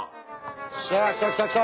しゃ来た来た来た！